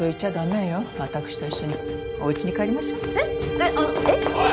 えっあのえっ？おい。